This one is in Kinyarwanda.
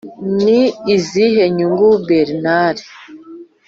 ni izihe nyungu bernard